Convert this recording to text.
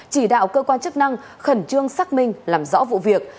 chỉ đạo cơ quan chức năng khẩn trương xác minh làm rõ vụ việc